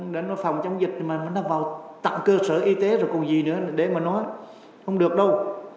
để nó phòng chống dịch mà mình vào tặng cơ sở y tế rồi còn gì nữa để mà nói không được đâu